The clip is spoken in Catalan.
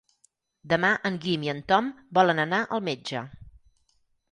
Demà en Guim i en Tom volen anar al metge.